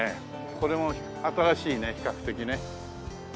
これも新しいね比較的ね。